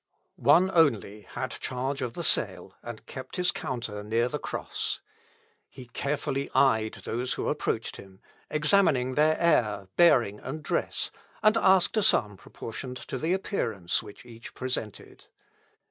One only had charge of the sale, and kept his counter near the cross. He carefully eyed those who approached him, examining their air, bearing, and dress, and asked a sum proportioned to the appearance which each presented.